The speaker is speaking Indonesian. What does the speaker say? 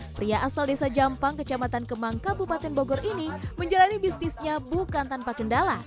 pria asal desa jampang kecamatan kemang kabupaten bogor ini menjalani bisnisnya bukan tanpa kendala